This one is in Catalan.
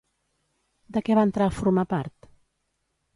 De què va entrar a formar part?